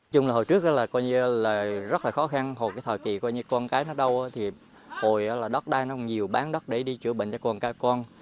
chúng là hồi trước là rất là khó khăn hồi cái thời kỳ con cái nó đau thì hồi đóc đai nó nhiều bán đất để đi chữa bệnh cho con cái con